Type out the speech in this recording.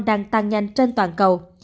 đang tăng nhanh trên toàn cầu